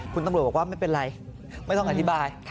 คุณตำรวจบอกว่าไม่เป็นไรไม่ต้องอธิบาย